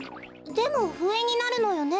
でもふえになるのよね。